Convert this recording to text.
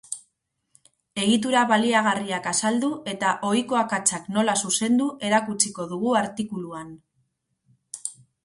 Egitura baliagarriak azaldu eta ohiko akatsak nola zuzendu erakutsiko dugu artikuluan.